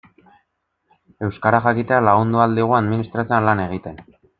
Euskara jakiteak lagundu ahal digu administrazioan lan egiten.